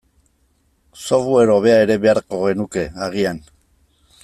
Software hobea ere beharko genuke agian.